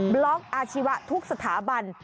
บล็อกอาชีวะทุกสถาบัน